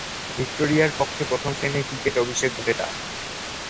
ভিক্টোরিয়ার পক্ষে প্রথম-শ্রেণীর ক্রিকেটে অভিষেক ঘটে তার।